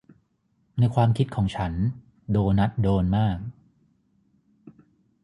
ในความคิดของฉันโดนัทโดนมาก